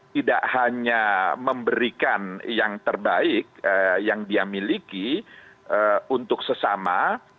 tidak hanya memberikan yang terbaik yang dia miliki untuk sesama